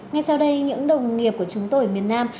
ngay sau đây những đồng nghiệp của chúng tôi ở miền nam